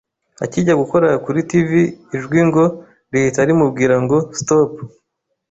Akijya gukora kuri T.V, ijwi ngo rihita rimubwira ngo Stop!